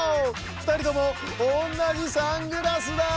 ふたりともおんなじサングラスだ！